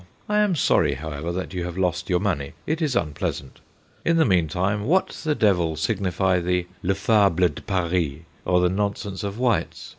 I am sorry, however, that you have lost your money ; it is unpleasant. In the meantime, what the devil signify the le fable de Paris or the nonsense of White's